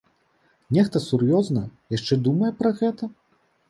Нехта сур'ёзна яшчэ думае пра гэта?